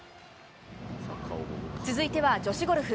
続いては女子ゴルフ。